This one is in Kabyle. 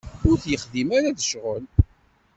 Ur t-yexdim ara d ccɣel.